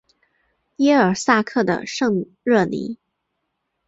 耶尔萨克的圣热尼。